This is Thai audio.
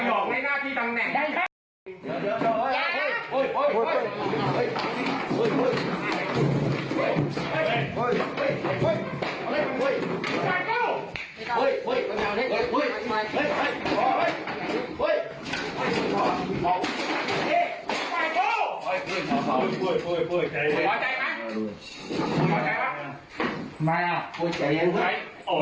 โอ้นี่ต่างเลย